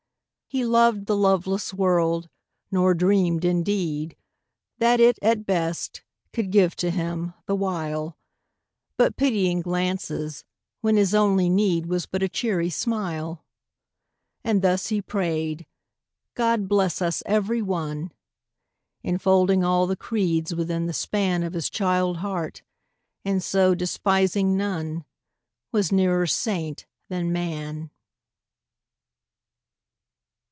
He loved the loveless world, nor dreamed, in deed. That it, at best, could give to him, the while. But pitying glances, when his only need Was but a cheery smile. And thus he prayed, " God bless us every one!" Enfolding all the creeds within the span Of his child heart; and so, despising none, Was nearer saint than man.